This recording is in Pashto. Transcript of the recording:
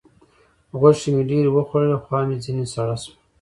غوښې مې ډېرې وخوړلې؛ خوا مې ځينې سړه سوه.